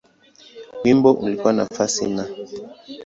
Wimbo ulikuwa nafasi Na.